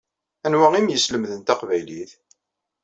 Anwa i m-yeslemden taqbaylit?